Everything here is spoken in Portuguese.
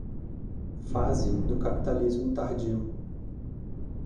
Fase do capitalismo tardio